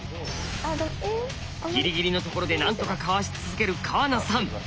ギリギリのところでなんとかかわし続ける川名さん。